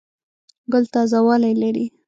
ګل تازه والی لري.